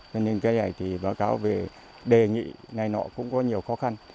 cho nên cái này thì báo cáo về đề nghị này nọ cũng có nhiều khó khăn